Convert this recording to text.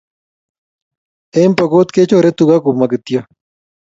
en pookot kechore tuka komo kityok